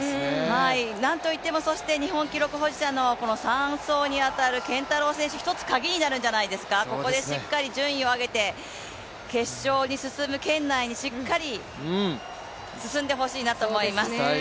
何と言っても日本記録保持者の３走に当たる拳太郎選手、１つカギになるんじゃないですか、ここでしっかり順位を上げて決勝に進む圏内に、しっかり進んでほしいなと思います。